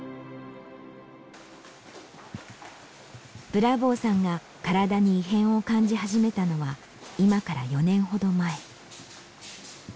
ブラボーさんが体に異変を感じ始めたのは今から４年ほど前。